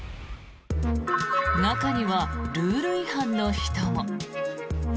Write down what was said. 中にはルール違反の人も。